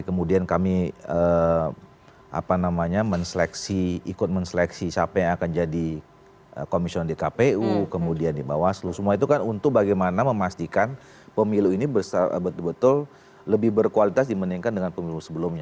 kemudian kami apa namanya ikut men seleksi siapa yang akan jadi komisioner di kpu kemudian di bawah seluruh semua itu kan untuk bagaimana memastikan pemilu ini betul betul lebih berkualitas dibandingkan dengan pemilu sebelumnya